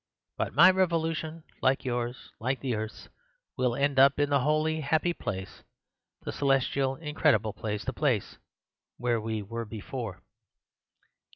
But my revolution, like yours, like the earth's, will end up in the holy, happy place— the celestial, incredible place—the place where we were before.